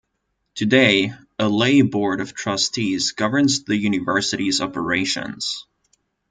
Today, a lay board of trustees governs the university's operations.